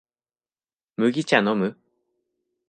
麦茶のむ？